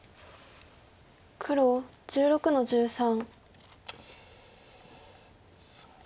黒１６の十三。